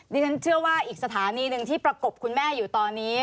ดิฉันเชื่อว่าอีกสถานีหนึ่งที่ประกบคุณแม่อยู่ตอนนี้